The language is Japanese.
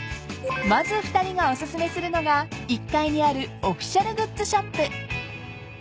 ［まず２人がお薦めするのが１階にあるオフィシャルグッズショップ］